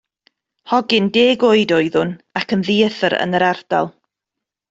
Hogyn deg oed oeddwn, ac yn ddieithr yn yr ardal.